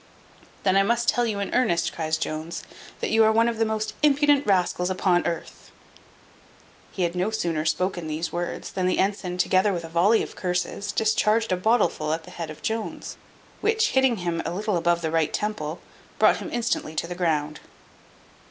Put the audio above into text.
"Then I must tell you in earnest," cries Jones, "that you are one of the most impudent rascals upon earth." He had no sooner spoken these words, than the ensign, together with a volley of curses, discharged a bottle full at the head of Jones, which hitting him a little above the right temple, brought him instantly to the ground.